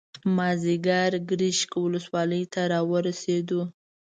مازیګر ګرشک ولسوالۍ ته راورسېدو.